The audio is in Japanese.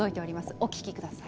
お聞きください。